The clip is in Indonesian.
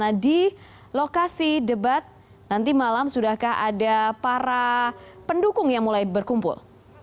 nah di lokasi debat nanti malam sudahkah ada para pendukung yang mulai berkumpul